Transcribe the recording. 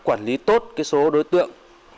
quản lý tốt số đối tượng